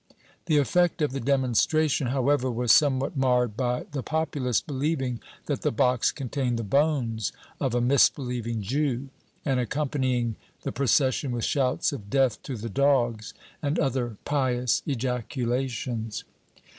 The effect of the demonstration, however, was somewhat marred by the populace believing that the box contained the bones of a misbelieving Jew, and accompanying the procession with shouts of "Death to the dogs!" and other pious ejaculations.